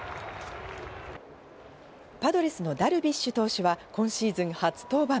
パドレスのダルビッシュ投手は今シーズン初登板。